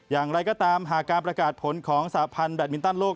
อย่างไรก็ตามหากการประกาศผลของสาพันธ์แดดมินตันโลก